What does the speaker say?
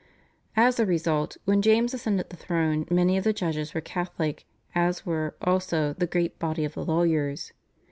As a result, when James ascended the throne many of the judges were Catholic, as were, also, the great body of the lawyers.